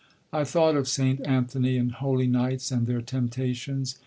I thought of St. Anthony and holy knights and their temptations.